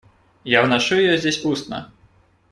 Я вношу ее здесь устно.